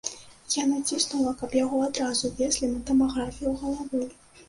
Я націснула, каб яго адразу везлі на тамаграфію галавы.